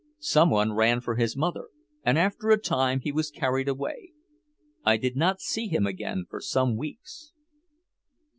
Some one ran for his mother, and after a time he was carried away. I did not see him again for some weeks.